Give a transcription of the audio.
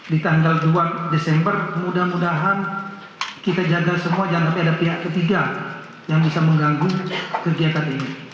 di tanggal dua desember mudah mudahan kita jaga semua jangan sampai ada pihak ketiga yang bisa mengganggu kegiatan ini